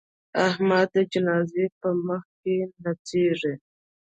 احمد د جنازې په مخ کې نڅېږي.